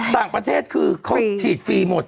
ต่างประเทศคือเขาฉีดฟรีหมด